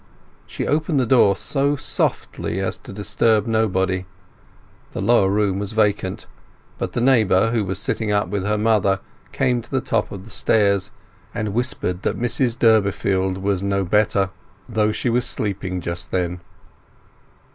She opened the door so softly as to disturb nobody; the lower room was vacant, but the neighbour who was sitting up with her mother came to the top of the stairs, and whispered that Mrs Durbeyfield was no better, though she was sleeping just then.